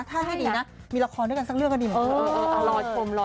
ถ้าให้ดีนะมีละครด้วยกันซักเรื่องก็ดีหมด